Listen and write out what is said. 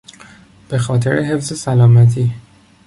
به خاطر حفظ سلامتی